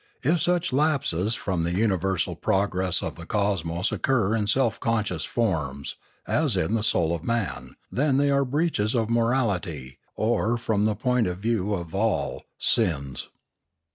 If such lapses from the universal progress of the cosmos occur in self conscious forms, as in the soul of man, then are they breaches of morality, or, from the point of view of the all, sins.